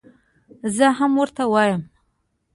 زه هم ورته وایم.